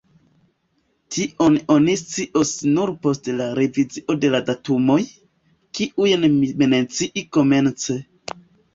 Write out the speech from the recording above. Tion oni scios nur post la revizio de la datumoj, kiujn mi menciis komence.